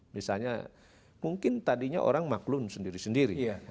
misalnya mungkin tadinya orang maklum sendiri sendiri